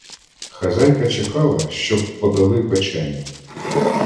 Хазяйка чекала, щоб подали печеню.